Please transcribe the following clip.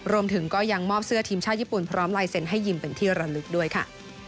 รวมถึงก็ยังมอบเสื้อทีมชาติญี่ปุ่นพร้อมลายเซ็นต์ให้ยิมเป็นที่ระลึกด้วยค่ะ